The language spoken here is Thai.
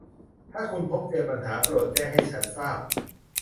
ถ้าคุณพบเจอปัญหา โปรดแจ้งให้ฉันทราบ